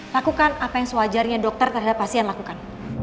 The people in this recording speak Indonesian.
lakukan apa yang sewajarnya dokter terhadap pasien lakukan